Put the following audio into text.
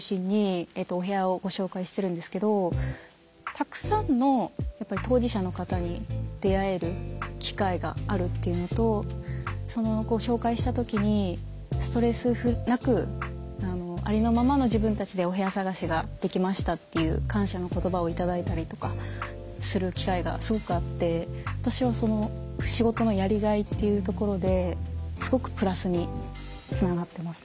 たくさんのやっぱり当事者の方に出会える機会があるっていうのと紹介した時にストレスなくありのままの自分たちでお部屋探しができましたっていう感謝の言葉を頂いたりとかする機会がすごくあって私は仕事のやりがいっていうところですごくプラスにつながってますね。